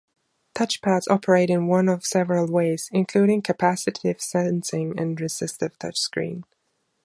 Touchpads operate in one of several ways, including capacitive sensing and resistive touchscreen.